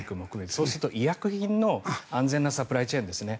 そうすると医薬品の安全なサプライチェーンですね。